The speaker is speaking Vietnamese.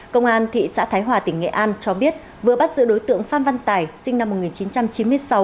công an thị xã thái hòa tỉnh nghệ an cho biết vừa bắt giữ đối tượng phan văn tài sinh năm một nghìn chín trăm chín mươi sáu